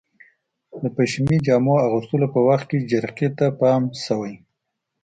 د پشمي جامو اغوستلو په وخت کې جرقې ته پام شوی؟